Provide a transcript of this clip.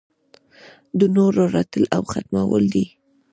د نورو رټل او ختمول دي.